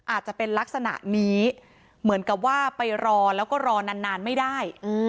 อาจจะเป็นลักษณะนี้เหมือนกับว่าไปรอแล้วก็รอนานไม่ได้